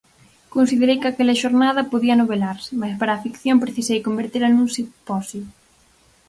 Considerei que aquela xornada podía novelarse, mais para a ficción precisei convertela nun simposio.